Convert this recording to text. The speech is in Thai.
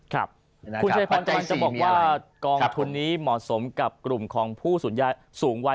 คุณเชฟนคุณจะบอกว่ากองทุนนี้เหมาะสมกับกลุ่มของผู้สูญญาสูงวัย